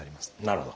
なるほど。